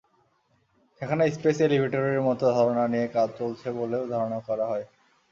সেখানে স্পেস এলিভেটরের মতো ধারণা নিয়ে কাজ চলছে বলেও ধারণা করা হয়।